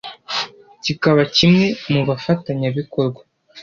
kikaba kimwe mu bafatanya bikorwa